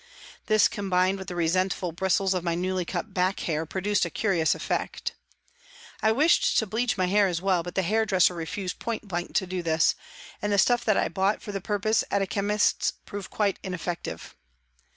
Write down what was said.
This, com bined with the resentful bristles of my newly cut back hair, produced a curious effect. I wished to bleach my hair as well, but the hairdresser refused point blank to do this, and the stuff that I bought for the purpose at a chemist's proved quite ineffec tive.